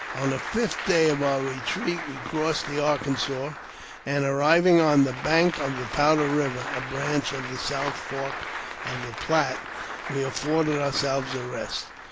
On the fifth day of our retreat we crossed th^: Arkansas, and, arriving on the bank of Powder Eiver (a brancMJ of the south fork of the Platte), we afforded ourselves a rest.